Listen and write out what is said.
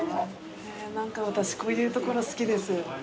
何か私こういう所好きです。